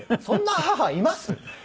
そんな母います？